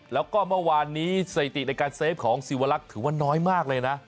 แล้วก็เมื่อวานนี้สถิติในการเซฟของศิวลักษณ์ถือว่าน้อยมากเลยนะ